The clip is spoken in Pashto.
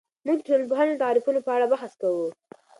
موږ د ټولنپوهنې د تعریفونو په اړه بحث کوو.